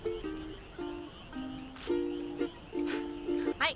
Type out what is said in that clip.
はい。